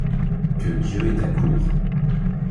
Que Dieu est à court.